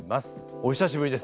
お久しぶりです。